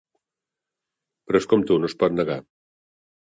Però és com tu, no es pot negar.